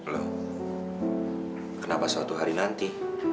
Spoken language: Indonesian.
loh kenapa suatu hari nanti